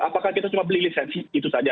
apakah kita cuma beli lisensi itu saja